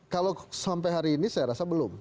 kalau sampai hari ini saya rasa belum